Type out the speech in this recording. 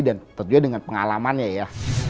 dan tentunya dengan pengalamannya ya